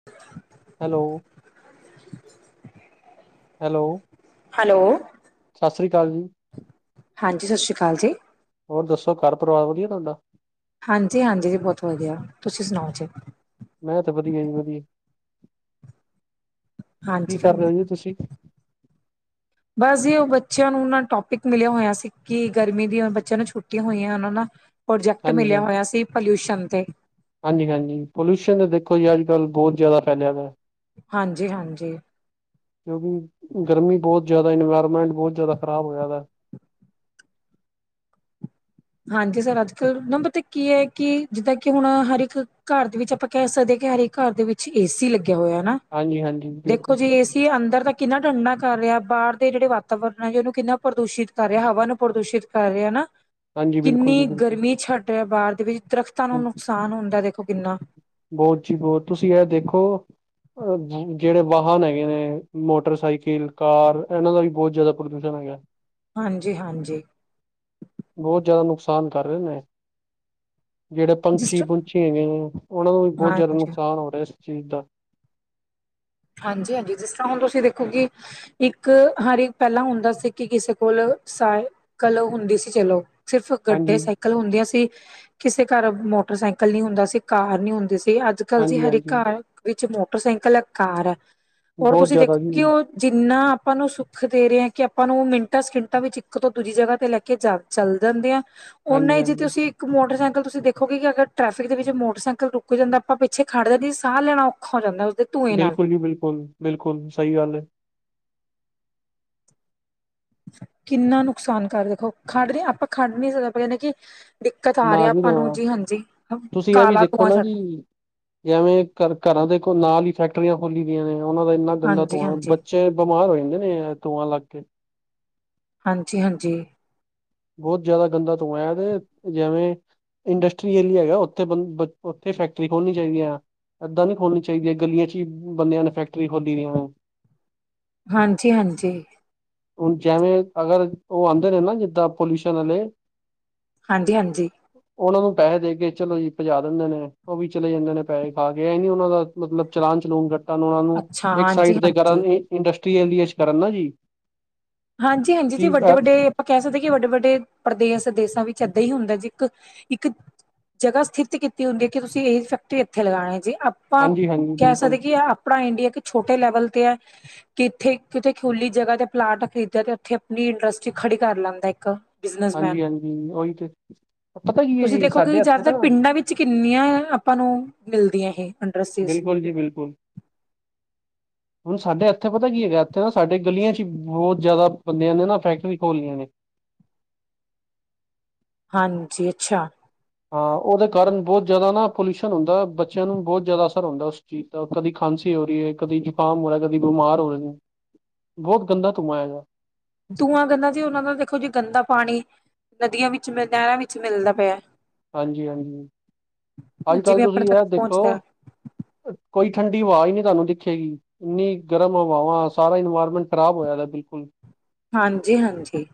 [inaudible] Hello, hello, hello, ਸਸ ਰੀ ਕਾਲ ਜੀ। ਹਾਂਜੀ, ਸਸ਼ ਰੀ ਅਕਾਲ ਜੀ। ਹੋਰ ਦੱਸੋ, ਘਰ ਪਰਿਵਾਰ ਵਧੀਆ ਤੁਹਾਡਾ। ਹਾਂਜੀ-ਹਾਂਜੀ ਜੀ ਬਹੁਤ ਵਧੀਆ, ਤੁਸੀਂ ਸੁਣਾਓ ਜੀ। ਮੈਂ ਤੇ ਵਧੀਆ ਜੀ ਵਧੀਆ। ਕੀ ਹਾਂਜੀ ਫਿਰ ਕਰ ਰਹੇ ਹੋ ਜੀ ਤੁਸੀਂ [unintelligible] ਬਸ ਜੀ ਉਹ ਬੱਚਿਆਂ ਨੂੰ ਨਾ ਟੋਪਿਕ ਮਿਲਿਆ ਹੋਇਆ ਸੀ, ਕਿ ਗਰਮੀ ਦੀ ਬੱਚਿਆਂ ਨੂੰ ਛੁੱਟੀਆਂ ਹੋਈਆਂ, ਉਹਨਾਂ ਨਾ ਪ੍ਰੋਜੈਕਟ ਮਿਲਿਆ ਹੋਇਆ ਸੀ, ਪੋਲਿਊਸ਼ਨ ਤੇ। ਹਾਂਜੀ-ਹਾਂਜੀ, ਪੋਲਿਊਸ਼ਨ ਦੇਖੋ ਜੀ, ਅੱਜ-ਕੱਲ੍ਹ ਬਹੁਤ ਜ਼ਿਆਦਾ ਫੈਲਿਆ ਵਾ। ਹਾਂਜੀ-ਹਾਂਜੀ। ਕਿਉਂਕਿ ਗਰਮੀ ਬਹੁਤ ਜ਼ਿਆਦਾ, ਇਨਵਾਇਰਮੈਂਟ ਬਹੁਤ ਜ਼ਿਆਦਾ ਖ਼ਰਾਬ ਹੋਇਆ ਦਾ। ਹਾਂਜੀ ਸਰ ਅੱਜ-ਕੱਲ੍ਹ ਨਾ ਪਤਾ ਕੀ ਐ, ਕਿ ਜਿੱਦਾਂ ਕਿ ਹੁਣ ਹਰ ਇੱਕ ਘਰ ਦੇ ਵਿੱਚ ਆਪਾਂ ਕਹਿ ਸਕਦੇ ਹਾਂ, ਕਿ ਹਰੇਕ ਘਰ ਦੇ ਵਿੱਚ ਏ ਸੀ ਲੱਗਿਆ ਹੋਇਆ ਨਾ। ਹਾਂਜੀ ਹਾਂਜੀ ਦੇਖੋ ਬਿਲਕੁਲ ਜੀ, ਏਸੀ ਅੰਦਰ ਤਾਂ ਕਿੰਨਾ ਠੰਡਾ ਕਰ ਰਿਹਾ, ਬਾਹਰ ਦੇ ਜਿਹੜੇ ਵਾਤਾਵਰਨ ਆ ਜੀ ਉਹਨੂੰ ਕਿੰਨਾ ਪ੍ਰਦੂਸ਼ਿਤ ਕਰ ਰਿਹਾ, ਹਵਾ ਨੂੰ ਪ੍ਰਦੂਸ਼ਿਤ ਕਰ ਰਿਹਾ ਨਾ। ਹਾਂਜੀ ਬਿਲਕੁਲ ਜੀ ਕਿੰਨੀ ਬਿਲਕੁਲ ਗਰਮੀ ਛੱਡ ਰਿਹਾ ਬਾਹਰ ਦੇ ਵਿੱਚ, ਦਰਖਤਾਂ ਨੂੰ ਨੁਕਸਾਨ ਹੁੰਦਾ ਦੇਖੋ ਕਿੰਨਾ। ਬਹੁਤ ਜੀ ਬਹੁਤ, ਤੁਸੀਂ ਐਹ ਦੇਖੋ ਜਿਹੜੇ ਵਾਹਨ ਹੈਗੇ ਨੇ ਮੋਟਰਸਾਈਕਲ, ਕਾਰ ਇਹਨਾਂ ਦਾ ਵੀ ਬਹੁਤ ਜ਼ਿਆਦਾ ਪ੍ਰਦੂਸ਼ਣ ਹੈਗਾ। [unintelligible] ਹਾਂਜੀ-ਹਾਂਜੀ। ਬਹੁ ਜਿਆਦਾ ਨੁਕਸਾਨ ਕਰ ਰਹੇ ਨੇ। ਜਿਹੜੇ ਜਿਸ ਪੰਛੀ-ਪੁੰਛੀ ਹੈਗੇ ਨੇ, ਉਹਨਾਂ ਨੂੰ ਵੀ ਤਰ੍ਹਾਂ ਬਹੁਤ ਜ਼ਿਆਦਾ ਹਾਂਜੀ ਨੁਕਸਾਨ ਹੋ ਰਿਹਾ ਇਸ ਚੀਜ਼ ਦਾ। ਹਾਂਜੀ-ਹਾਂਜੀ, ਜਿਸ ਤਰ੍ਹਾਂ ਹੁਣ ਤੁਸੀਂ ਦੇਖੋ ਕਿ ਇੱਕ ਹਰ ਇੱਕ ਪਹਿਲਾਂ ਹੁੰਦਾ ਸੀ, ਕਿ ਕਿਸੇ ਕੋਲ ਸਾਇਕਲ ਹੁੰਦੀ ਸੀ ਚਲੋ। ਸਿਰਫ ਗੱਡੇ ਹਾਂਜੀ ਸਾ ਸਾਈਕਲ ਹੁੰਦੀਆਂ ਸੀ, ਕਿਸੇ ਘਰ ਮੋਟਰਸਾਈਕਲ ਨੀ ਹੁੰਦਾ ਸੀ, ਕਾਰ ਨੀ ਹੁੰਦੀ ਸੀ, ਅੱਜ ਕੱਲ ਜੀ ਹਾਂਜੀ ਹਰ ਹਾਂਜੀ ਘਰ ਵਿੱਚ ਮੋਟਰਸਾਈਕਲ ਐ, ਕਾਰ ਐ, ਹੋਰ ਬਹੁਤ ਤੁਸੀਂ ਜ਼ਿਆਦਾ ਦੇਖੋ ਜੀ ਕਿ ਉਹ ਜਿੰਨਾ ਆਪਾਂ ਨੂੰ ਸੁੱਖ ਦੇ ਰਹੇ ਐ, ਕਿ ਆਪਾਂ ਨੂੰ ਮਿੰਟਾਂ ਸਕਿੰਟਾਂ ਵਿੱਚ ਇੱਕ ਤੋਂ ਦੂਜੀ ਜਗ੍ਹਾ ਤੇ ਲੈ ਕੇ ਜਾਵੇ। ਚੱਲ ਜਾਂਦੇ ਆ, ਉਹਨਾ ਹਾਂਜੀ ਹੀ ਜੀ ਹਾਂਜੀ ਤੁਸੀਂ ਇੱਕ ਮੋਟਰਸਾਈਕਲ ਤੁਸੀਂ ਦੇਖੋਗੇ ਕਿ ਅਗਰ ਟਰੈਫਿਕ ਦੇ ਵਿੱਚ ਮੋਟਰਸਾਈਕਲ ਰੁਕ ਜਾਂਦਾ, ਆਪਾਂ ਪਿੱਛੇ ਖੜ ਜਾਂਦੇ ਆਂ, ਸਾਹ ਲੈਣਾ ਔਖਾ ਹੋ ਜਾਂਦਾ ਉਸਦੇ ਧੂੰਏ ਨਾਲ ਬਿਲਕੁਲ ਜੀ ਬਿਲਕੁਲ, ਬਿਲਕੁਲ ਸਈ ਗਾੱਲ ਏ। ਕਿੰਨਾ ਨੁਕਸਾਨ ਕਰ ਦੇਖੋ [unintelligible] ਦਿੱਕਤ ਆ ਨਾ ਰੇਆ ਨਾ ਆਪਾਂ ਨੂੰ ਜੀ, ਹਾਂਜੀ ਕਾਲਾ ਤੂਆਂ ਛੱਡ ਜੈਵੇਂ ਘ ਘਰਾਂ ਦੇ ਕੋ ਨਾਲ ਈ ਫੈਕਟਰੀਆਂ ਖੋਲੀ ਦੀਆਂ ਨੇ, ਓਨਾਂ ਦਾ ਇੰਨਾ ਗੰਦਾ ਹਾਂਜੀ ਤੂਐਂ ਬੱਚ ਹਾਂਜੀ ਬੱਚੇ ਬਿਮਾਰ ਓ ਜੱਨਦੇ ਨੇ ਐ, ਤੂਆਂ ਲੱਗ ਕੇ ਹਾਂਜੀ, ਹਾਂਜੀ। ਬੋਤ ਜਾਦਾ ਗੰਦਾ ਤੂਆ ਐ ਤੇ, ਜੈਵੇਂ ਇਨਡਸਟਰੀ ਏਲਿਆ ਐਗੈ ਓਥੇ ਬਨ ਬ ਓਥੇ ਫੈਕਟਰੀ ਖੋਲਨੀ ਚਾਈਦੀ ਐ ਏਦਾਂ ਨੀ ਖੋਲਨੀ ਚਾਇਦੀ ਐ ਗਲੀਆਂ ਚ ਈ, ਬੰਦੇਆਂ ਨੇ ਫੈਕਟਰੀ ਖੋਲੀ ਦੀਆਂ ਐ ਹਾਂਜੀ, ਹਾਂਜੀ। ਹੁੱਨ ਜੈਵੇਂ ਅਗਰ ਓ ਆਨਦੇ ਨੇ ਨਾ ਜਿੱਦਾਂ ਪੋਲਿਯੂਸ਼ਨ ਆਲੇ ਹਾਂਜੀ, ਹਾਂਜੀ। ਓਨਾ ਨੂੰ ਪੈਹੇ ਦੇ ਕੇ ਚੱਲੋ ਜੀ ਪਜਾ ਦਿੰਦੇ ਨੇ, ਓ ਵੀ ਚੱਲੇ ਜਾਂਦੇ ਨੇ ਪੈਹੇ ਖਾ ਕੇ ਐ ਨੀ ਓਨਾਂ ਦਾ ਮਤਲਬ ਚਲਾਨ ਚਲੂਨ ਕੱਟਨ ਓਨਾਂ ਨੂੰ, ਅੱਛਾ ਇੱਕ ਹਾਂਜੀ ਸਾਈਡ ਤੇ ਹਾਂਜੀ ਕਰਨ ਇ‌ ਇਡਸਟਰੀ ਏਲਿਏ ਚ ਕਰਨ ਨਾ ਜੀ। ਹਾਂਜੀ, ਹਾਂਜੀ ਜੀ ਕੀ ਵੱਡੇ-ਵੱਡੇ ਪਾਂ ਕੈ ਸਕਦੇ ਕਿ ਵੱਡੇ-ਵੱਡੇ ਪ੍ਰਦੇਸ ਦੇਸਾਂ ਵਿੱਚ ਏਦਾਂ ਹੀ ਹੁੰਦਾ ਜੇ ਇੱਕ-ਇੱਕ ਜਗਾ ਸਥਿਤ ਕੀਤੀ ਹੁੰਦੀ ਕਿ ਤੁਸੀਂ ਇਹ ਫੈਕਟਰੀ ਇੱਥੇ ਲਗਾਣੀ ਜੀ ਆਪਾਂ ਹਾਂਜੀ ਹਾਂਜੀ ਕੈ ਬਿਲਕੁਲ ਸਕਦੇ ਕਿ ਆ ਅਪਣਾ ਇੰਡੀਆ ਕਿ ਛੋਟੇ ਲੈਵਲ ਤੇ ਐ, ਕਿੱਥੇ ਕਿ ਖੁੱਲੀ ਜਗਾ ਤੇ ਪਲਾੱਟ ਇਦਾਂ ਤੇ ਐਥੇ ਅਪਨੀ ਇੰਡਸਟਰੀ ਖੜੀ ਕਾਰ ਲੈਂਦਾ ਇੱਕ। ਬਿਜਨਸਮੈਨ ਹਾਂਜੀ-ਹਾਂਜੀ ਓਈ ਤੇ, ਪਤਾ ਕੀ ਏ ਜੀ ਸਾਡੇ ਐਥੇ ਨਾ ਚ ਕਿੰਨੀਆਂ ਅਪਾਂ ਨੂੰ ਮਿਲਦੀਆਂ ਇਹ ਇੰਡਸਟਰੀਜ਼ ਬਿਲਕੁਲ ਜੀ ਬਿਲਕੁਲ। ਹੁਨ ਸਾਡੇ ਐਥੇ ਪਤਾ ਕੀ ਐਗੈ ਐਥੇ ਨਾ ਸਾਡੇ ਗਲੀਆਂ ਚ ਈ, ਬੋਤ ਜ਼ਿਆਦਾ ਬੰਦਿਆਂ ਨੇ ਨਾ ਫੈਕਟਰੀ ਖੋਲ ਲੀਯਾ ਨੇ। ਹਾਂਜੀ, ਅੱਛਾ। ਹਾਂ ਓਦੇ ਕਾਰਨ ਬੋਤ ਜ਼ਿਆਦਾ ਨਾ ਪੋਲਿਓਸ਼ਨ ਹੁੰਦਾ ਏ, ਬੱਚਿਆਂ ਨੂੰ ਬੋਤ ਜ਼ਿਆਦਾ ਅਸਰ ਹੁੰਦਾ ਐ ਓਸ ਜੀ ਤਾਂ ਕਦੀ ਖਾਂਸੀ ਓ ਰੀ ਏ ਕਦੀ ਜ਼ੁਕਾਮ ਓ ਰਿਆ ਕਦੀ ਬਿਮਾਰ ਓ ਰੇ ਨੇ ਬੋਤ ਗੰਦਾ ਤੂਆਂ ਐਗੈ ਤੂਆਂ ਗੰਦਾ ਜੀ ਓਨਾਂ ਨਾਲ ਦੇਖੋ ਜੀ ਗੰਦਾ ਪਾਣੀ ਨਦੀਆਂ ਵਿੱਚ ਮ ਨੈ ਵਿੱਚ ਮਿਲਦਾ ਪੇਐ ਹਾਂਜੀ, ਹਾਂਜੀ ਆੱਜ-ਕਾੱਲ ਜਿਵੇਂ ਆਪਣੇ ਤੁਸੀਂ ਤੱਕ ਐ ਦੇਖੋ ਪਹੁੰਚਦਾ ਕੋਈ ਠੰਡੀ ਹਵਾ ਈ ਨੀ ਤਾਨੂੰ ਦਿਖੇਗੀ। ਇੰਨੀ ਗਰਮ ਹਵਾਵਾਂ ਸਾਰਾ ਇਨਵਾਇਰਮੈਂਟ ਖ਼ਰਾਬ ਹੋਏਆ ਦਾ ਬਿਲਕੁਲ। ਹਾਂਜੀ, ਹਾਂਜੀ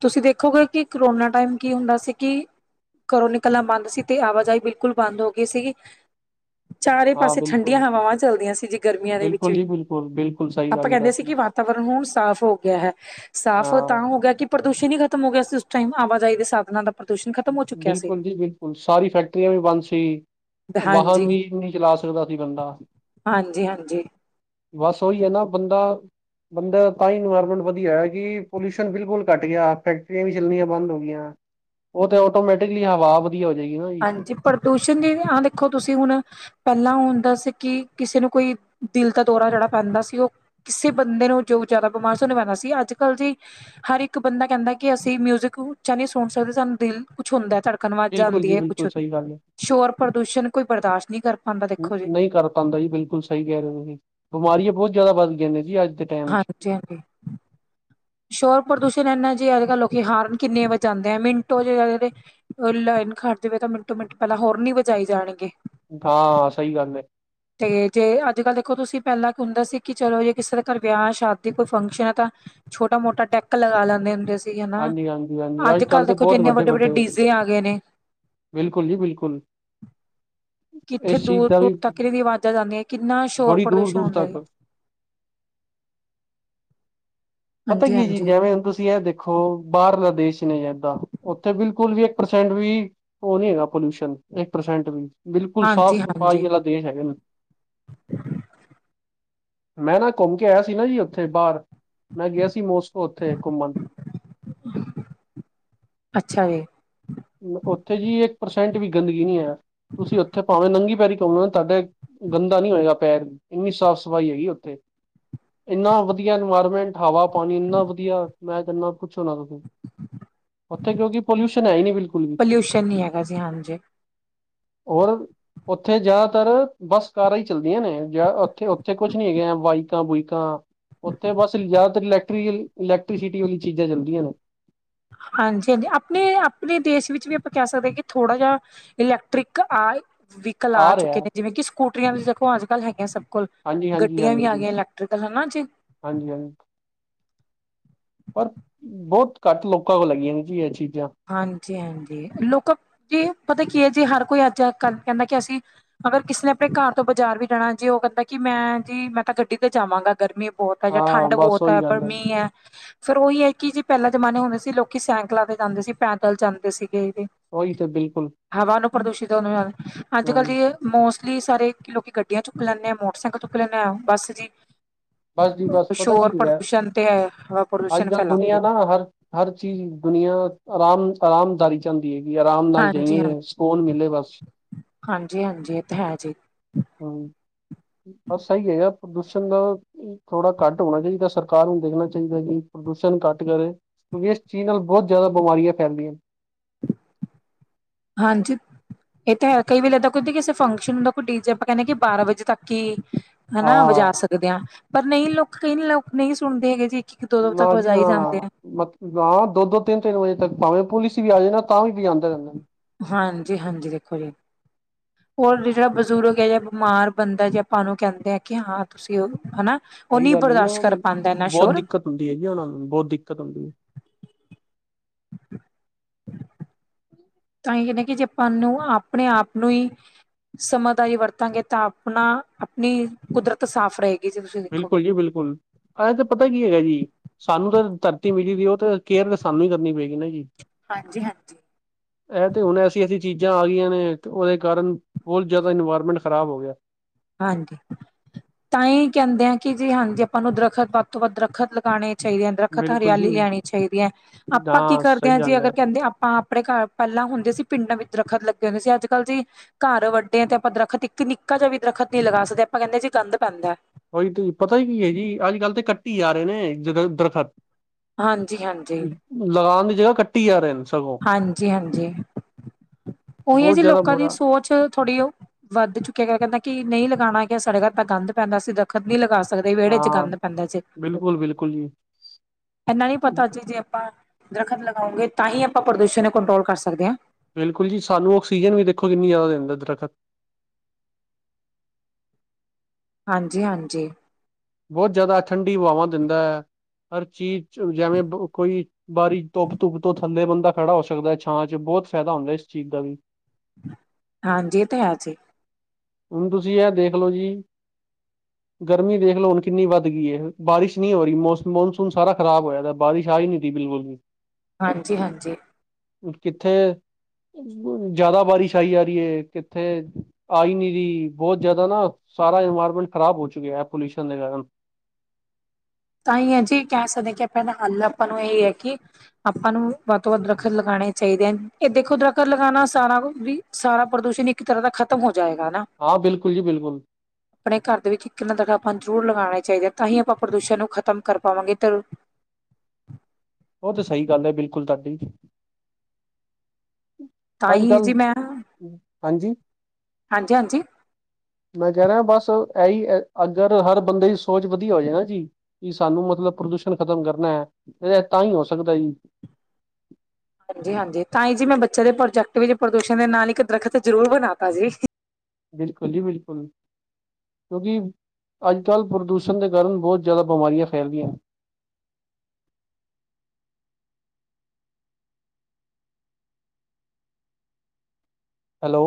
ਤੁਸੀਂ ਦੇਖੋਗੇ ਕਿ ਕਰੋਨਾ ਟਾਈਮ ਕੀ ਹੁੰਦਾ ਸੀ ਕੀ ਘਰੋਂ ਨਿਕਲਨਾ ਬੰਦ ਸੀ, ਤੇ ਆਵਾ-ਜਾਈ ਬਿਲਕੁਲ ਬੰਦ ਹੋ ਗੀ ਸੀਗੀ ਚਾਰੇ ਹਾਂ ਪਾਸੇ ਠੰਡੀਆਂ ਬਿਲਕੁਲ ਹਵਾਵਾਂ ਚੱਲਦੀਆਂ ਸੀ ਜੀ ਗਰਮੀਆਂ ਦੇ ਵਿੱਚ ਵੀ। ਕੁਲ ਬਿਲਕੁਲ ਸਈ ਅਪਾਂ ਕੈਦੇ ਸੀ ਕਿ ਵਾਤਾਵਰਨ ਹੁਣ ਸਾਫ਼ ਹੋ ਗਿਆ ਹੈ। ਸਾਫ਼ ਓ ਹਾਂ ਤਾ ਹੋ ਗਿਆ ਕਿ ਪ੍ਰਦੂਸ਼ਣ ਹੀ ਖਤਮ ਹੋ ਗਿਆ ਸੀ ਓਸ ਟਾਈਮ ਆਵਾਜਾਈ ਦੇ ਸਾਧਨਾਂ ਦਾ ਪ੍ਰਦੂਸ਼ਣ ਖ਼ਤਮ ਹੋ ਚੁੱਕਿਆ ਸੀ। ਬਿਲਕੁਲ ਜੀ ਬਿਲਕੁਲ, ਸਾਰੀ ਫੈਕਟਰੀਆਂ ਵੀ ਬਾਂਦ ਸੀ ਵਾਹਨ ਹਾਂਜੀ, ਵੀ, ਨਿ ਚਲਾ ਸਕਦਾ ਸੀ ਬੰਦਾ ਹਾਂਜੀ, ਹਾਂਜੀ। ਬਾੱਸ ਓਈ ਏ ਨਾ ਬੰਦਾ ਬੰਦਾ, ਤਾਂ ਈ ਇਨਵਾਯਰਮੈਂਟ ਵਦਿਐ ਕਿ ਪੋਲਿਯੂਸ਼ਨ ਬਿਲਕੁਲ ਕਾੱਟ ਗੇਆ, ਫੈਕਟਰੀਆਂ ਵੀ ਚੱਲਨੀਆਂ ਬੰਦ ਓ ਗਈਆਂ ਓ ਤੇੇ ਓਟੋਮੈਟਿਕਲੀ ਹਵਾ [unintelligible] ਜੇਗੀ ਨਾ ਜੀ। ਹਾਂਜੀ, ਪ੍ਰਦੂਸ਼ਨ ਦੀ ਵਿ ਹਾਂ ਦੇਖੋ ਤੁਸੀਂ ਹੁੱਨ ਪੈਲਾ ਹੁੰਦਾ ਸੀ ਕਿ, ਕਿਸੇ ਨੂੰ ਕੋਈ ਦਿਲ ਦਾ ਦੌਰਾ ਜੜਾ ਪੈਂਦਾ ਸੀ ਓ ਕਿਸੇ ਬੰਦੇ ਨੂੰ ਜੋ ਜਆਦਾ ਬਿਮਾਰ ਸੀ, ਓਨੁ ਐਗਾ ਸੀ ਆੱਜ-ਕਾੱਲ ਜੀ ਹਰ ਇੱਕ ਬੰਦਾ ਕੈਨਦਾ ਕਿ ਅਸੀਂ ਮਿਯੁਜ਼ਿਕ ਉਚਾ ਨੀ ਸੁਨ ਸਕਦੇ ਸਾਨੂੰ ਦਿਲ ਕੁਛ ਹੁੰਦਾ ਤੜ ਕਨ ਅਵਾਜਾ ਬਿਲਕੁਲ ਆਂਦੀ ਜੀ ਏ ਕੁਛ, ਬਿਲਕੁਲ ਸਹੀ ਗੱਲ ਹੈ ਸ਼ੋਰ ਪ੍ਰਦੂਸ਼ਣ ਕੋਈ ਬਰਦਾਸ਼ ਨੀ ਕਰ ਪਾਂਦਾ ਦੇਖੋ ਜੀ ਕਰ ਪਾਉਂਦਾ ਜੀ ਬਿਲਕੁਲ ਸਹੀ ਕਹਿ ਰਹੇ ਨੇ, ਜ ਬਿਮਾਰੀਆਂ ਬਹੁਤ ਜ਼ਿਆਦਾ ਵਧਗੀਆ ਜੀ ਨੇ ਜੀ ਅੱਜ ਦੇ ਟਾਈਮ ਚ ਹਾਂਜੀ- ਹਾਂਜੀ। ਸ਼ੋਰ ਪ੍ਰਦੂਸ਼ਣ ਇੰਨਾ ਜੀ, ਅੱਜ ਕੱਲ੍ਹ ਲੋਕ ਹਾਰਨ ਕਿੰਨੇ ਵਜਾਂਦੇ ਆ, ਮਿੰਟੋ ਚ ਲਾਈਨ ਖੜ ਜਾਵੇ, ਤਾਂ ਮਿੰਟੋ ਮਿੰਟ, ਪਹਿਲਾਂ ਹੋਰਨ ਹੀ ਵਜਾਈ ਜਾਣਗੇ। ਹਾਂ, ਸਹੀ ਗੱਲ ਹੈ। ਤੇ ਜੇ, ਅੱਜ ਕੱਲ ਦੇਖੋ ਤੁਸੀਂ ਪਹਿਲਾਂ ਕ ਹੁੰਦਾ ਸੀ, ਕਿ ਚਲੋ ਜੇ ਕਿਸੇ ਦੇ ਘਰ ਵਿਆਹ ਸ਼ਾਦੀ ਕੋਈ ਫੰਕਸ਼ਨ ਹੈ ਤਾਂ ਛੋਟਾ-ਮੋਟਾ ਡੈਕ ਲਗਾ ਲੈਂਦੇ ਹੁੰਦੇ ਸੀ। ਹੈ ਨਾ ਹਾਂਜੀ ਹਾਂਜੀ ਹਾਂਜੀ ਅੱਜ ਕੱਲ੍ਹ ਦੇ ਦੇਖੋ ਜੀ, ਬਹੁਤ ਇਹਨੇ ਵੱਡੇ ਵੱਡੇ ਡੀਜ਼ੇ ਆ ਗਏ ਨੇ। ਬਿਲਕੁਲ ਜੀ ਬਿਲਕੁਲ। ਕਿੱਥੇ ਇਸ ਚੀਜ਼ ਦੂਰ ਦਾ ਦੂਰ ਵੀ ਤੱਕ ਇਹਨਾਂ ਦੀ ਆਵਾਜ਼ਾਂ ਜਾਂਦੀਆਂ, ਕਿੰਨਾ ਸ਼ੋਰ ਬੜੀ ਦੂਰ ਪ੍ਰਦੂਸ਼ਨ ਦੂਰ ਹੁੰਦਾ ਜੀ। ਤੱਕ ਪਤਾ ਹਾਂਜੀ ਕੀ ਹੈ ਜੀ, ਹਾਂਜੀ ਜਿਵੇਂ ਹੁਣ ਤੁਸੀਂ ਇਹ ਦੇਖੋ। ਦੇਖੋ ਬਾਹਰਲਾ ਦੇਸ਼ ਨੀ ਏਦਾਂ ਉੱਥੇ ਬਿਲਕੁਲ ਵੀ ਇੱਕ ਪ੍ਰਸੈਂਟ ਵੀ ਉਹ ਨੀ ਹੈਗਾ ਪੋਲਿਊਸ਼ਨ ਇੱਕ ਪਰਸੈਂਟ ਵੀ ਬਿਲਕੁਲ ਸਾਫ਼ ਹਾਂਜੀ ਸਫਾਈ ਹਾਂਜੀ ਵਾਲਾ ਦੇਸ਼ ਹੈਗਾ। ਮੈਂ ਨਾ ਘੁੰਮ ਕੇ ਆਇਆ ਸੀ ਨਾ ਜੀ ਉੱਥੇ ਬਾਰ। ਮੈਂ ਗਿਆ ਸੀ। ਮੋਸਕੋ ਉੱਥੇ ਘੁੰਮਣ [unintelligible] ਅੱਛਾ ਜੀ ਉੱਥੇ ਜੀ ਇੱਕ ਪਰਸੈਂਟ ਵੀ ਗੰਦਗੀ ਨੀ ਐ, ਤੁਸੀਂ ਉੱਥੇ ਪਾਵੇਂ ਨੰਗੀ ਪੈਰੀ ਘੁੰਮੋ ਤੁਹਾਡੇ ਗੰਦਾ ਨੀ ਹੋਏਗਾ ਪੈਰ ਐਨੀ ਸਾਫ਼ ਸਫ਼ਾਈ ਹੈਗੀ ਉੱਥੇ ਏਨਾ ਵਧੀਆ ਇਨਵਾਇਰਮੈਂਟ ਹਵਾ ਪਾਣੀ ਏਨਾ ਵਧੀਆ ਮੈਂ ਕਹਿਣਾ ਪੁੱਛੋ ਨਾ ਤੁਸੀਂ ਉੱਥੇ ਕਿਉ ਕਿ ਪਲਿਊਸ਼ਨ ਐ। ਪੋਲਿਊਸ਼ਨ ਨੀ ਹੈਗਾ ਸੀ, ਹਾਂਜੀ। ਹੋਰ ਉੱਥੇ ਜ਼ਿਆਦਾਤਰ ਬੱਸ ਕਾਰਾਂ ਈ ਚੱਲਦੀਆਂ ਨੇ ਉੱਥੇ ਉੱਥੇ ਕੁਛ ਨੀ ਹੈ ਬਾਈਕਾਂ ਬੁਇਕਾਂ ਉੱਥੇ ਬਸ ਜ਼ਿਆਦਾਤਰ, ਇਲੈਕਟ ਇਲੈਕਟ੍ਰੀਸਿਟੀ ਵਾਲੀ ਚੀਜ਼ਾਂ ਚੱਲਦੀਆਂ ਨੇ। ਹਾਂਜੀ ਹਾਂਜੀ, ਆਪਣੇ ਆਪਣੇ, ਦੇਸ਼ ਵਿੱਚ ਵੀ ਆਪਾਂ ਕਹਿ ਸਕਦੇ ਹਾਂ, ਕਿ ਥੋੜ੍ਹਾ ਜਿਹਾ ਇਲੈਕਟ੍ਰਿਕ ਆ, ਵਹੀਕਲ ਆ ਚੁੱਕੇ ਨੇ, ਜਿਵੇਂ ਕਿ ਸਕੂਟਰੀਆਂ ਵੀ ਦੇਖੋ, ਅੱਜ ਕੱਲ ਹੈਗੀਆਂ ਸਭ ਲ ਹਾਂਜੀ ਹਾਂਜੀ ਗੱਡੀਆਂ ਹਾਂਜੀ ਵੀ ਆ ਬਿਲਕੁਲ ਗਈਆਂ, ਇਲੈਕਟ੍ਰੀਕਲ, ਹਨਾ ਜੀ। ਹਾਂਜੀ ਹਾਂਜੀ। ਪਰ, ਬਹੁਤ ਘੱਟ ਲੋਕਾਂ ਕੋਲ ਲੱਗੀਆਂ ਨੇ ਜੀ ਇਹ ਚੀਜ਼ਾਂ। ਹਾਂਜੀ ਹਾਂਜੀ ਲੋਕਾਂ ਜੀ ਪਤਾ ਕੀ ਹੈ, ਜੇ ਹਰ ਕੋਈ ਅੱਜ ਕੱਲ ਕਹਿੰਦਾ ਕਿ ਅਸੀਂ ਅਗਰ ਕਿਸੇ ਨੇ ਆਪਣੇ ਘਰ ਤੋਂ ਬਾਜ਼ਾਰ ਵੀ ਜਾਣਾ ਜੀ, ਉਹ ਕਹਿੰਦਾ, ਕਿ ਮੈਂ ਜੀ, ਮੈਂ ਤਾਂ ਗੱਡੀ ਤੇ ਜਾਵਾਂਗਾ ਗਰਮੀ ਬਹੁਤ ਹੈ ਜਾਂ, ਹਾਂ ਠੰਡ ਬਸ ਬਹੁਤ ਹੈ, ਉਹੀ ਪਰ ਗੱਲ ਮੀਂਹ ਹੈ। ਫਿਰ ਉਹੀ ਹੈ ਕਿ, ਜੇ ਪਹਿਲਾਂ ਜਮਾਨੇ ਹੁੰਦੇ ਸੀ ਲੋਕੀ ਸਾਈਕਲਾਂ ਤੇ ਜਾਂਦੇ ਸੀ, ਪੈਦਲ ਜਾਂਦੇ ਸੀਗੇ। ਉਹੀ ਤੇ ਬਿਲਕੁਲ ਹਵਾ ਨੂੰ ਪ੍ਰਦੂਸ਼ਿਤ ਹੋ, ਅੱਜ ਕੱਲ੍ਹ ਹਮ ਜੀ ਮੋਸਟਲੀ ਸਾਰੇ ਲੋਕੀ ਗੱਡੀਆਂ ਚੁੱਕ ਲੈਂਦੇ ਆ, ਮੋਟਰਸਾਈਕਲ ਚੁੱਕ ਲੈਂਦੇ ਆ, ਬੱਸ ਜੀ। ਬਸ ਜੀ ਬਸ ਪਤਾ ਕੀ ਸ਼ੋਰ ਹੈ ਪ੍ਰਦੂਸ਼ਣ, ਤੇ ਹਵਾ ਅੱਜ ਪ੍ਰਦੂਸ਼ਣ ਕੱਲ੍ਹ ਫੈਲਾਉਂਦੇ ਦੁਨੀਆਂ ਏ ਨਾ ਹਰ ਹਰ ਚੀਜ਼ ਦੁਨੀਆਂ ਆਰਾਮ ਆਰਾਮਦਾਰੀ। ਜਾਂਦੀ ਹੈਗੀ, ਆਰਾਮ ਨਾਲ ਜਾਈਏ ਸਕੂਨ ਮਿਲੇ ਬਸ। ਹਾਂਜੀ ਹਾਂਜੀ ਇਹ ਤੇ ਹੈ ਜੀ। ਹਮ, ਬਸ ਸਹੀ ਏ ਯਾਰ ਪ੍ਰਦੂਸ਼ਣ ਦਾ ਥੋੜਾ ਘੱਟ ਹੋਣਾ ਚਾਹੀਦਾ, ਸਰਕਾਰ ਨੂੰ ਦੇਖਣਾ ਚਾਹੀਦਾ ਕਿ ਪ੍ਰਦੂਸ਼ਣ ਘੱਟ ਕਰੇ। ਕਿਉਂਕਿ, ਇਸ ਚੀਜ਼ ਨਾਲ ਬਹੁਤ ਜ਼ਿਆਦਾ ਬਿਮਾਰੀਆਂ ਫੈਲਦੀਆਂ ਨੇ [inaudible] ਹਾਂਜੀ। ਇਹ ਤਾਂ ਹੈ, ਕਈ ਵੇਲੇ ਇੱਦਾਂ ਕੋਈ ਕਿਸੇ ਫੰਕਸ਼ਨ ਹੁੰਦਾ, ਕੋਈ ਡੀ ਜੇ ਆਪਾਂ ਕਹਿੰਦੇ ਕਿ ਬਾਰਾਂ ਵਜੇ ਤੱਕ ਹੀ ਹਨਾ ਵਜਾ ਹਾਂ ਸਕਦੇ ਹਾਂ, ਪਰ ਨਹੀਂ ਲੋਕ, ਕਈ ਲੋਕ ਨਹੀਂ ਸੁਣਦੇ ਹੈਗੇ ਜੀ। ਇੱਕ, ਦੋ ਦੋ, ਤੱਕ ਨਾ ਜੀ ਨਾ ਵਜਾਈ ਜਾਂਦੇ ਆ। ਮਤ ਹਾਂ, ਦੋ ਦੋ, ਤਿੰਨ ਤਿੰਨ, ਵਜੇ ਤੱਕ ਭਾਵੇਂ ਪੁਲਿਸ ਵੀ ਆ ਜਾਏ ਨਾ, ਤਾਂ ਵੀ ਵਜਾਂਦੇ ਰਹਿੰਦੇ। ਹਾਂਜੀ ਹਾਂਜੀ, ਦੇਖੋ ਜੀ। ਹੋਰ ਜਿਹੜਾ ਬਜ਼ੁਰਗ ਹੈ ਜਾਂ ਬਿਮਾਰ ਬੰਦਾ ਜੇ ਆਪਾਂ ਨੂੰ ਕਹਿੰਦੇ ਆ ਕਿ ਹਾਂ ਤੁਸੀਂ ਉਹ ਹੈਨਾ। ਉਹ ਸਹੀ ਨੀ ਗੱਲ ਹੈ ਜੀ ਬਰਦਾਸ਼ਤ ਉਹਨਾਂ ਕਰ ਪਾਂਦਾ ਇਨਾ ਨੂੰ ਬਹੁਤ ਸ਼ੋਰ। ਦਿੱਕਤ ਹੁੰਦੀ ਏ ਜੀ ਉਹਨਾ ਨੂੰ ਬਹੁਤ ਦਿੱਕਤ ਹੁੰਦੀ ਏ। ਤਾਂਈ ਕਹਿੰਨੇ ਆਂ ਕਿ ਜੇ ਆਪਾਂ ਨੂੰ ਆਪਣੇ ਆਪ ਨੂੰ ਈ ਸਮਝਦਾਰੀ ਵਰਤਾਂਗੇ ਤਾਂ ਆਪਣਾ ਆਪਣੀ ਕੁਦਰਤ ਸਾਫ਼ ਰਏ ਬਿਲਕੁਲ ਜੀ ਬਿਲਕੁਲ ਐਹ ਤਾਂ ਪਤਾ ਕੀ ਹੈਗਾ ਜੀ, ਸਾਨੂੰ ਤਾਂ ਧਰਤੀ ਮਿਲੀ ਦੀ ਓਹ ਤਾਂ ਕੇਅਰ ਤਾਂ ਸਾਨੂੰ ਈ ਕਰਨੀ ਪਏਗੀ ਨਾ ਜੀ। ਹਾਂਜੀ-ਹਾਂਜੀ। ਇਹ ਤੇ ਹੁਣ ਐਸੀ-ਐਸੀ ਚੀਜ਼ਾਂ ਆ ਗਈਆਂ ਨੇ, ਓਹਦੇ ਕਾਰਨ ਬੋਤ ਜ਼ਾਦਾ ਇਨਵਾਇਰਮੈਂਟ ਖਰਾਬ ਹੋ ਗਿਆ। ਹਾਂਜੀ ਤਾਂ ਹੀ ਕਹਿੰਦੇ ਆ ਕਿ ਜੀ ਹਾਂਜੀ ਆਪਾਂ ਨੂੰ ਦਰਖਤ ਵੱਧ ਤੋਂ ਵੱਧ ਦਰੱਖਤ ਲਗਾਉਣੇ ਚਾਹੀਦੀ ਹੈ, ਦਰਖਤ ਬਿਲਕੁਲ ਹਰਿਆਲੀ ਜੀ ਲਿਆਣੀ ਚਾਹੀਦੀ ਹੈ, ਆਪਾਂ ਕੀ ਕਰਦੇ ਸਹੀ ਹਾਂ ਜੀ, ਗੱਲ ਅਗਰ ਹੈ ਕਹਿੰਦੇ ਆਪਾਂ ਆਪਣੇ ਘਰ ਪਹਿਲਾਂ ਹੁੰਦੇ ਸੀ, ਪਿੰਡਾਂ ਵਿੱਚ ਦਰੱਖਤ ਲੱਗੇ ਹੁੰਦੇ ਸੀ, ਅੱਜ ਕੱਲ੍ਹ ਜੀ ਘਰ ਵੱਡੇ ਆ, ਤੇ ਆਪਾਂ ਦਰੱਖਤ ਇੱਕ ਨਿੱਕਾ ਜਿਹਾ ਵੀ ਦਰਖਤ ਨੀ ਲਗਾ ਸਕਦੇ, ਆਪਾਂ ਕਹਿੰਦੇ ਜੀ ਕੰਧ ਪੈਂਦਾ ਹਾਂਜੀ ਪਤਾ ਕੀ ਹੈ ਜੀ, ਅੱਜ ਕੱਲ੍ਹ ਤੇ ਕੱਟੀ ਜਾ ਰਹੇ ਨੇ ਦਰੱਖ਼ਤ। ਹਾਂਜੀ ਹਾਂਜੀ ਲਗਾਉਣ ਦੀ ਜਗ੍ਹਾ ਕੱਟੀ ਜਾ ਰਹੇ ਨੇ। ਸਗੋਂ ਹਾਂਜੀ ਹਾਂਜੀ, ਉਹੀ ਹੈ ਬਹੁਤ ਜੀ, ਜ਼ਿਆਦਾ ਲੋਕਾਂ ਦੀ ਬੁਰਾ ਸੋਚ ਥੋੜ੍ਹੀ ਉਹ ਵੱਧ ਚੁੱਕਿਆ ਗਿਆ, ਕਹਿੰਦਾ ਕਿ, ਨਹੀਂ ਲਗਾਉਣਾ ਕਿ ਸਾਡੇ ਘਰ ਤਾਂ ਗੰਦ ਪੈਂਦਾ ਸੀ ਗਾ। ਦਰੱਖ਼ਤ ਨਹੀਂ ਲਗਾ ਸਕਦੇ, ਵਿਹੜੇ ਚ ਹਾਂ ਗੰਦ ਪੈਂਦਾ ਜੀ। ਬਿਲਕੁਲ ਬਿਲਕੁਲ ਜੀ ਇਨਾ ਨੀ ਪਤਾ, ਜੀ, ਜੇ ਆਪਾਂ ਦਰੱਖਤ ਲਗਾਉਂਗੇ ਤਾਂ ਹੀ ਆਪਾਂ ਪ੍ਰਦੂਸ਼ਣ ਨੂੰ ਕੰਟਰੋਲ ਕਰ ਸਕਦੇ ਆਂ। ਬਿਲਕੁਲ ਜੀ, ਸਾਨੂੰ ਆਕਸੀਜਨ ਵੀ ਦੇਖੋ ਕਿੰਨੀ ਜ਼ਾਦਾ ਦਿੰਦਾ ਦਰਖਤ। ਹਾਂਜੀ ਹਾਂਜੀ ਬਹੁਤ ਜ਼ਿਆਦਾ ਠੰਡੀ ਹਵਾਵਾਂ ਦਿੰਦਾ ਹੈ ਹਰ ਚੀਜ਼ ਜਿਵੇਂ ਕੋਈ ਬਾਰੀ ਧੁੱਪ ਧੁੱਪ ਤੋਂ ਥੱਲੇ ਬੰਦਾ ਖੜਾ ਹੋ ਸਕਦਾ ਛਾਂ ਚ ਬਹੁਤ ਫਾਇਦਾ ਹੁੰਦਾ ਇਸ ਚੀਜ਼ ਦਾ ਵੀ ਹਾਂਜੀ ਇਹ ਤਾ ਹੈ ਜੀ। ਹੁਣ ਤੁਸੀਂ ਐਹ ਦੇਖਲੋ ਜੀ। ਗਰਮੀ ਦੇਖ ਲੋ ਹੁਣ ਕਿੰਨੀ ਵੱਧ ਗਈ ਏ, ਬਾਰਿਸ਼ ਨੀ ਹੋ ਰਹੀ ਮੌਸਮ ਮੌਨਸੂਨ ਸਾਰਾ ਖਰਾਬ ਹੋਇਆ ਦਾ, ਬਾਰਿਸ਼ ਆ ਈ ਨਈ ਰਈ ਬਿਲਕੁਲ। [inaudible] ਹਾਂਜੀ ਹਾਂਜੀ ਕਿੱਥੇ ਜਾਦਾ ਬਾਰਿਸ਼ ਆਈ ਜਾ ਰਹੀ ਏ ਕਿੱਥੇ, ਆਈ ਨੀ। ਬਹੁਤ ਜਿਆਦਾ ਨਾ ਸਾਰਾ ਇਨਵਾਇਰਮੈਂਟ ਖ਼ਰਾਬ ਹੋ ਚੁੱਕਿਆ ਹੈ ਪੋਲਿਊਸ਼ਨ ਦੇ ਕਾਰਨ ਤਾਂ ਹੀ ਹੈ ਜੀ ਕਹਿ ਸਕਦੇ ਕਿ ਆਪਾਂ ਦਾ ਹੱਲ ਆਪਾਂ ਨੂੰ ਇਹ ਹੈ ਕਿ ਆਪਾਂ ਨੂੰ ਵੱਧ ਤੋਂ ਵੱਧ ਦਰਖਤ ਲਗਾਉਣੇ ਚਾਹੀਦੇ ਆ ਇਹ ਦੇਖੋ ਦਰਖਤ ਲਗਾਉਣਾ ਸਾਰਾ ਕੁਝ ਵੀ ਸਾਰਾ ਪ੍ਰਦੂਸ਼ਣ ਇੱਕ ਤਰ੍ਹਾਂ ਦਾ ਖ਼ਤਮ ਹੋ ਜਾਏਗਾ ਨਾ ਹਾਂ ਬਿਲਕੁਲ ਜੀ ਬਿਲਕੁਲ। ਆਪਣੇ ਘਰ ਦੇ ਵਿੱਚ ਇੱਕ ਨੱਦਾ ਤਾ ਆਪਾਂ ਜ਼ਰੂਰ ਲਗਾਣਾ ਚਾਹੀਦਾ ਐ ਤਾਂਹੀ ਆਪਾਂ ਪ੍ਰਦੂਸ਼ਣ ਨੂੰ ਖ਼ਤਮ ਕਰ ਪਾਵਾਂਗੇ ਤੇ ਉਹ ਤਾਂ ਸਹੀ ਗੱਲ ਹੈ ਬਿਲਕੁਲ ਤੁਹਾਡੀ। ਤਾਂ ਅਜ ਹੀ ਕੱਲ੍ਹ, ਜੀ ਮੈਂ ਹਾਂਜੀ। ਹਾਂਜੀ-ਹਾਂਜੀ, ਮੈਂ ਕਹਿ ਰਿਹਾ, ਬਸ ਇਹੀ ਅਗਰ ਹਰ ਬੰਦੇ ਦੀ ਸੋਚ ਵਧੀਆ ਹੋ ਜਾਏ ਨਾ ਜੀ ਕਿ ਸਾਨੂੰ ਮਤਲਬ ਪ੍ਰਦੂਸ਼ਣ ਖ਼ਤਮ ਕਰਨਾ ਐ, ਇਹ ਤਾਂ ਈ ਹੋ ਸਕਦਾ ਜੀ ਹਾਂਜੀ-ਹਾਂਜੀ ਤਾਂ ਈ ਜੀ ਮੈਂ ਬੱਚੇ ਦੇ ਪ੍ਰੋਜੈਕਟ ਵਿੱਚ ਪ੍ਰਦੂਸ਼ਣ ਦੇ ਨਾਲ ਇੱਕ ਦਰਖਤ ਜ਼ਰੂਰ ਬਣਾ ਤਾ ਜੀ। ਬਿਲਕੁਲ ਜੀ ਬਿਲਕੁਲ। ਕਿਉਂਕਿ, ਅੱਜ-ਕੱਲ੍ਹ ਪ੍ਰਦੂਸ਼ਣ ਦੇ ਕਾਰਨ ਬਹੁਤ ਜ਼ਿਆਦਾ ਬਿਮਾਰੀਆਂ ਫੈਲਦੀਆਂ ਨੇ। ਹੈਲੋ।